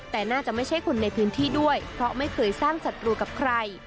แต่น่าจะไม่ใช่คนในพื้นที่ด้วยเพราะไม่เคยสร้างศัตรูกับใคร